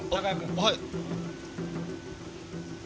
はい。